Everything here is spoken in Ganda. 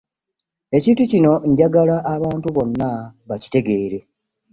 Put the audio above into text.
Ekintu kino njagala abantu bonna bakitegeere.